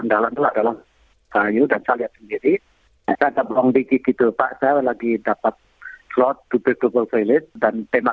nah asalnya dubes dubes lain